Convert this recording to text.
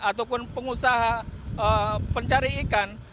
ataupun pengusaha pencari ikan